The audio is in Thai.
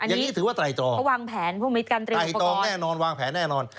อันนี้ถือว่าไต่ตรองไต่ตรองแน่นอนวางแผนแน่นอน